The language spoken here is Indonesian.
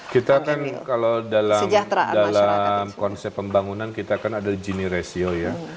kita kan kalau dalam konsep pembangunan kita kan ada gini ratio ya